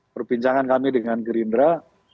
perbincangan kami dengan gerindra